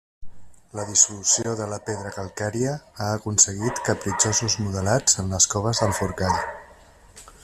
La dissolució de la pedra calcària ha aconseguit capritxosos modelats en les Coves del Forcall.